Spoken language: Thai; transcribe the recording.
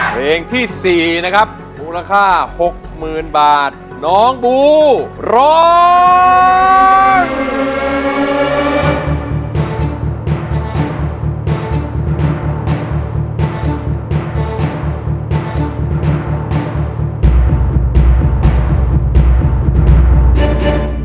เพลงที่๔นะครับมูลค่า๖๐๐๐บาทน้องบูร้อง